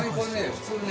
普通はね。